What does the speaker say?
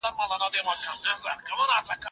زه پرون مځکي ته وکتل؟